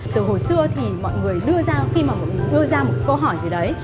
từ hồi xưa thì mọi người đưa ra khi mà mọi người đưa ra một câu hỏi gì đấy